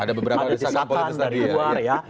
ada beberapa catatan dari luar ya